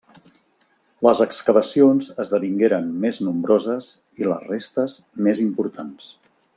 Les excavacions esdevingueren més nombroses i les restes més importants.